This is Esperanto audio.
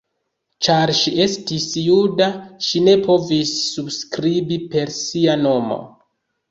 Ĉar ŝi estis juda ŝi ne povis subskribi per sia nomo.